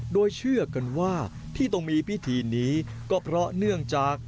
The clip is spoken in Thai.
โดยเชื่อกันว่าที่ต้องมีพิธีนี้ก็เพราะเนื่องจาก